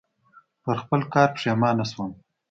پر خپل کار پښېمانه شوم .